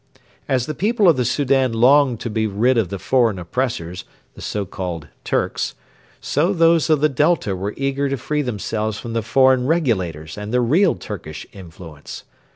As the people of the Soudan longed to be rid of the foreign oppressors the so called 'Turks' so those of the Delta were eager to free themselves from the foreign regulators and the real Turkish influence.